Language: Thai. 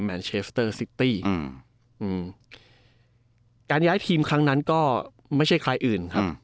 เชสเตอร์ซิตี้อืมอืมการย้ายทีมครั้งนั้นก็ไม่ใช่ใครอื่นครับ